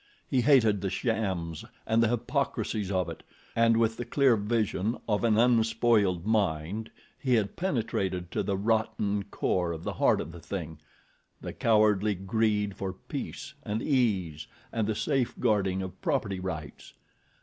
He hated the shams and the hypocrisies of it and with the clear vision of an unspoiled mind he had penetrated to the rotten core of the heart of the thing—the cowardly greed for peace and ease and the safe guarding of property rights.